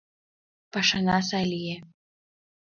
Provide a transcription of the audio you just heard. — Пашана сай лие...